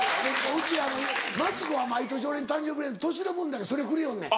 うちマツコは毎年俺に誕生日プレゼント年の分だけそれくれよんねん。